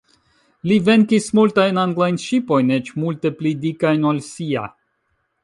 Li venkis multajn anglajn ŝipojn, eĉ multe pli dikajn ol sia.